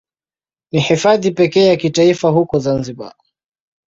Ni Hifadhi pekee ya kitaifa huko Zanzibar.